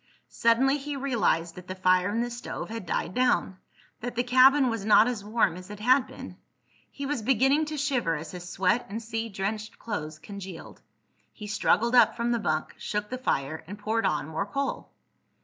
Suddenly he realized that the fire in the stove had died down—that the cabin was not as warm as it had been. He was beginning to shiver as his sweat and sea drenched clothes congealed. He struggled up from the bunk, shook the fire, and poured on more coal.